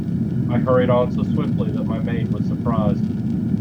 I hurried on so swiftly that my maid was surprised.